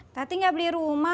tadi nggak beli rumah